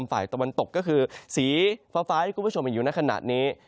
ฝ่ายตะวันตกก็คือสีฟ้าที่คุณผู้ชมเห็นอยู่ในขณะนี้